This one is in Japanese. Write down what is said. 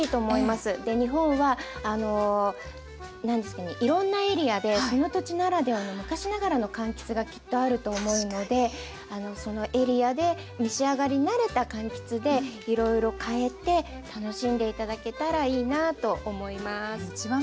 日本は何ですかねいろんなエリアでその土地ならではの昔ながらのかんきつがきっとあると思うのでそのエリアで召し上がり慣れたかんきつでいろいろかえて楽しんで頂けたらいいなあと思います。